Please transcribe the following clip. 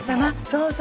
どうぞ。